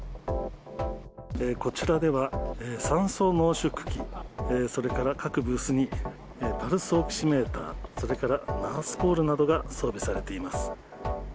こちらでは、酸素濃縮器、それから各ブースにパルスオキシメーター、それからナースコールなどが装備されています。